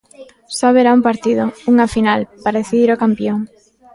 Só haberá un partido, unha final, para decidir o campión.